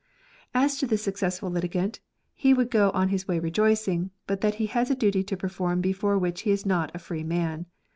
As to the successful litigant, he would go on his way rejoicing, but that he has a duty to perform before which he is not a free man.